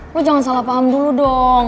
lo jangan salah paham dulu dong